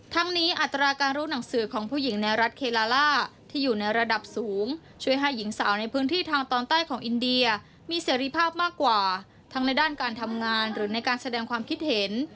ทั้งนี้อัตราการรู้หนังสือของผู้หญิงในรัฐเคลาล่าที่อยู่ในระดับสูงช่วยให้หญิงสาวในพื้นที่ทางตอนใต้ของอินเดียมีเสรีภาพมากกว่าทั้งในด้านการทำงานหรือในการแสดงความคิดเห็น